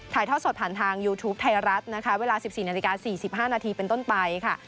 ถ่ายทอดสดผ่านทางยูทูปไทยรัฐนะคะเวลาสิบสี่นาฬิกาสี่สิบห้านาทีเป็นต้นไปค่ะ